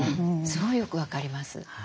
すごいよく分かります。